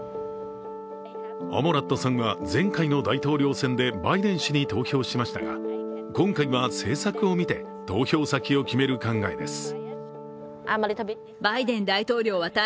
アモラットさんは前回の大統領選でバイデン氏に投票しましたが、今回は政策を見て投票先を決める考えです。